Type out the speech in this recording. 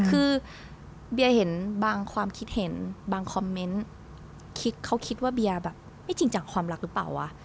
คือเบียร์เห็นบางความคิดเห็นบางคอมเมนต์เขาคิดว่าเบียร์แบบไม่จริงจากความรักหรือเปล่าวะ